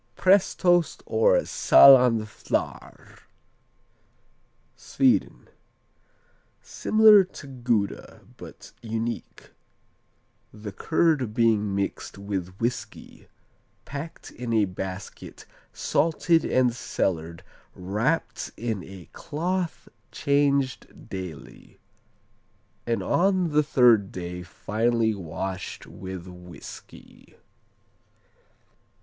Prestost or Saaland Flarr Sweden Similar to Gouda, but unique the curd being mixed with whiskey, packed in a basket, salted and cellared, wrapped in a cloth changed daily; and on the third day finally washed with whiskey.